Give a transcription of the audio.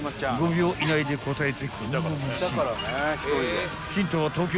［５秒以内で答えてくんなまし］